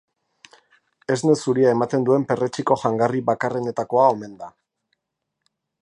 Esne zuria ematen duen perretxiko jangarri bakarrenetakoa omen da.